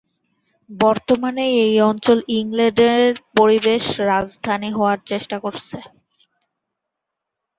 বর্তমানে এই অঞ্চল ইংল্যান্ডের পরিবেশ রাজধানী হওয়ার চেষ্টা করছে।